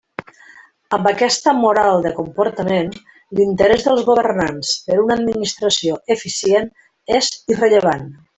Amb aquesta «moral» de comportament, l'interés dels governants per una administració eficient és irrellevant.